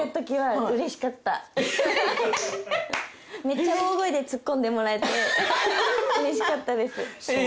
めっちゃ大声でツッコんでもらえてうれしかったです。